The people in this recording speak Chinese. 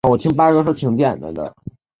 粘蓼为蓼科蓼属下的一个种。